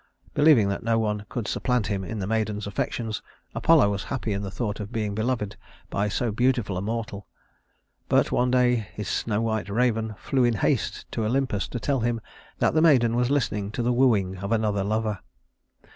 Believing that no one could supplant him in the maiden's affections, Apollo was happy in the thought of being beloved by so beautiful a mortal; but one day his snow white raven flew in haste to Olympus to tell him that the maiden was listening to the wooing of another lover.